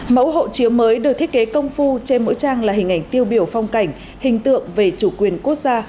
mẫu hộ chiếu mới được thiết kế công phu trên mỗi trang là hình ảnh tiêu biểu phong cảnh hình tượng về chủ quyền quốc gia